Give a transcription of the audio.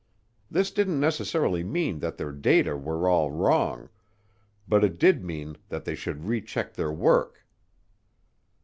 This didn't necessarily mean that their data were all wrong, but it did mean that they should recheck their work.